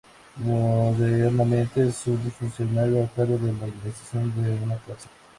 Modernamente, es un funcionario a cargo de la administración de una cárcel.